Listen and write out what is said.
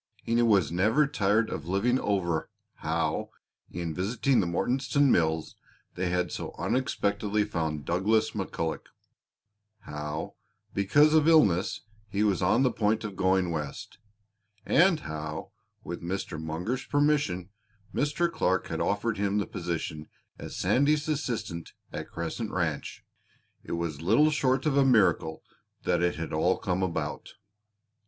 He was never tired of living over how, in visiting the Mortonstown mills, they had so unexpectedly found Douglas McCulloch; how, because of ill health, he was on the point of going West; and how, with Mr. Munger's permission, Mr. Clark had offered him the position as Sandy's assistant at Crescent Ranch. It was little short of a miracle that it had all come about!